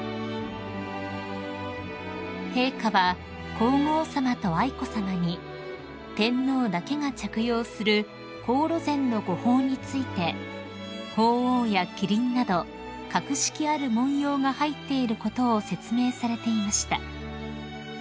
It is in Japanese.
［陛下は皇后さまと愛子さまに天皇だけが着用する黄櫨染御袍について鳳凰や麒麟など格式ある紋様が入っていることを説明されていました］